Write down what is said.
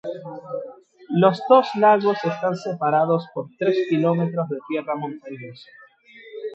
Los dos lagos están separados por tres kilómetros de tierra montañosa.